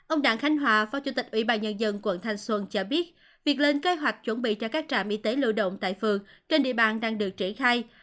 ông đặng khánh hòa phó chủ tịch ủy ban nhân dân quận thanh xuân cho biết việc lên kế hoạch chuẩn bị cho các trạm y tế lưu động tại phường trên địa bàn đang được triển khai